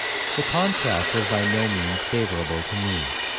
The contrast was by no means favourable to me.